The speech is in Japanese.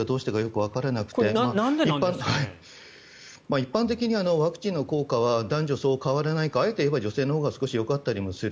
一般的にワクチンの効果は男女そう変わらないあえて言えば女性のほうが少しよかったりもする。